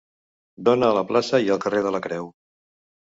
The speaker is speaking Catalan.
Dóna a la plaça i al carrer de la Creu.